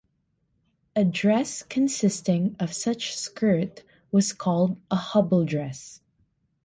A dress consisting of such skirt was called a hobble dress.